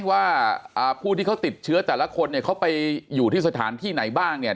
ว่าผู้ที่เขาติดเชื้อแต่ละคนเนี่ยเขาไปอยู่ที่สถานที่ไหนบ้างเนี่ย